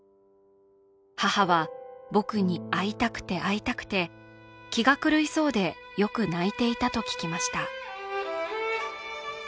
母は僕に会いたくて会いたくて、気が狂いそうで、よく泣いていたと聞きました。